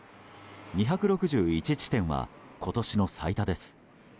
２６１地点は今年の最多です。